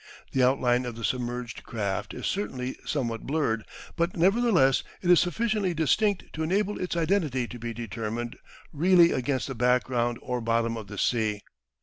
The outline of the submerged craft is certainly somewhat blurred, but nevertheless it is sufficiently distinct to enable its identity to be determined really against the background or bottom of the sea.